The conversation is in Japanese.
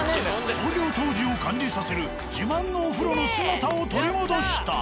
創業当時を感じさせる自慢のお風呂の姿を取り戻した。